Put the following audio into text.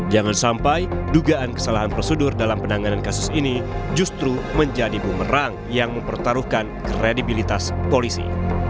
jangan sampai dugaan kesalahan prosedur dalam penanganan kasus ini justru menjadi bumerang yang mempertaruhkan kredibilitas polisi